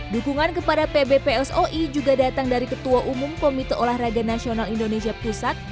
dukungan kepada pbpsoi juga datang dari ketua umum komite olahraga nasional indonesia pusat